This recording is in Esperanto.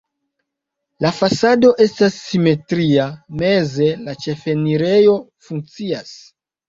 La fasado estas simetria, meze la ĉefenirejo funkcias.